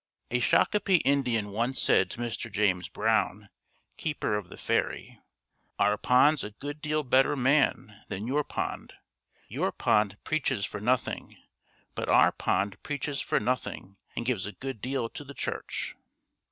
A Shakopee Indian once said to Mr. James Brown, keeper of the ferry, "Our Pond's a good deal better man than your Pond. Your Pond preaches for nothing, but our Pond preaches for nothing and gives a good deal to the church."